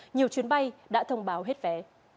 nhiều chuyến bay đã thông báo hết vé